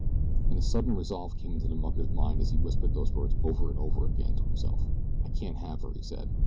And a sudden resolve came into the mucker's mind as he whispered those words over and over again to himself. "I can't have her," he said.